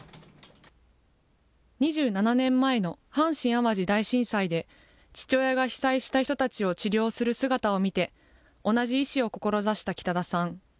２７年前の阪神・淡路大震災で、父親が被災した人たちを治療する姿を見て、同じ医師を志した北田さん。